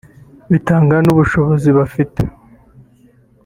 bitangana n’ubushobozi bafite